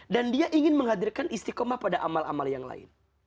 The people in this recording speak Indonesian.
dan dia ingin menghadirkan istiqomah pada amal amal yang lain